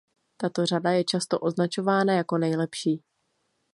Tato řada je často označována jako nejlepší.